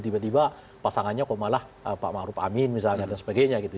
tiba tiba pasangannya kok malah pak ⁇ maruf ⁇ amin misalnya dan sebagainya gitu